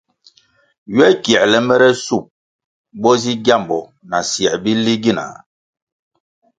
Ywe kiēle mere shup bo zi gyambo na syē bili gina?